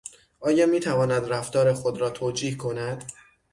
آیا میتواند رفتار خود را توجیه کند؟